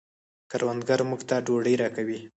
کروندګر موږ ته ډوډۍ راکوي